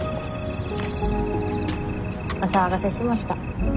お騒がせしました。